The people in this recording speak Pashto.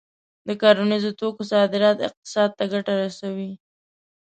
د کرنیزو توکو صادرات اقتصاد ته ګټه رسوي.